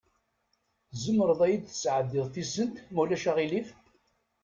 Tzemreḍ ad yid-tesɛeddiḍ tisent, ma ulac aɣilif?